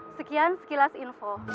sekian sekilas info